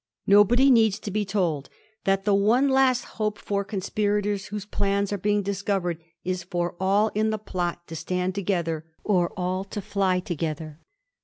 Nobody needs to be told that the one last hope for conspirators whose plans are being discovered is for all in the plot to stand together or all to fly together.